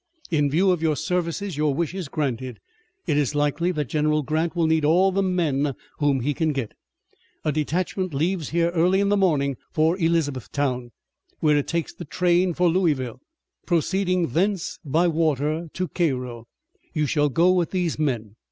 "In view of your services your wish is granted. It is likely that General Grant will need all the men whom he can get. A detachment leaves here early in the morning for Elizabethtown, where it takes the train for Louisville, proceeding thence by water to Cairo. You shall go with these men.